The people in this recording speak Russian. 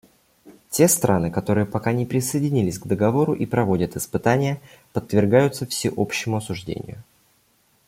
Те страны, которые пока не присоединились к Договору и проводят испытания, подвергаются всеобщему осуждению.